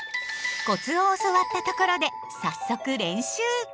コツを教わったところで早速練習。